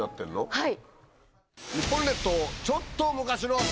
はい。